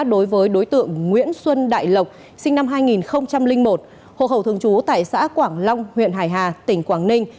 đối với đối tượng nguyễn xuân đại lộc sinh năm hai nghìn một hồ khẩu thường trú tại xã quảng long huyện hải hà tỉnh quảng ninh